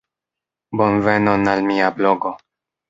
Bonvenon al mia blogo.